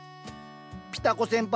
ピタ子先輩